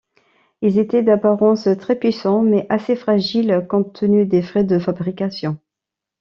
Ils étaient d'apparence très puissants mais assez fragiles compte tenu des frais de fabrication.